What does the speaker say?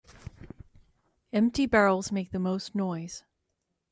Empty barrels make the most noise.